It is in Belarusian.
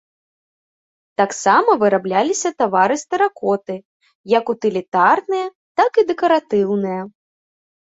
Таксама вырабляліся тавары з тэракоты, як утылітарныя, так і дэкаратыўныя.